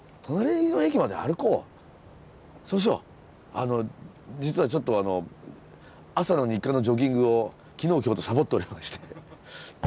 あの実はちょっと朝の日課のジョギングを昨日今日とさぼっておりまして。